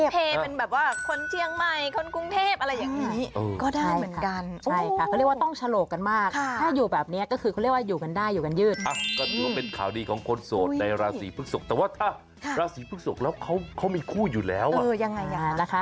เป็นแบบว่าคนเชียงใหม่คนกรุงเทพอะไรอย่างนี้ก็ได้เหมือนกัน